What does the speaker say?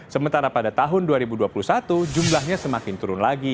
sementara pada tahun dua ribu dua puluh satu jumlahnya semakin turun lagi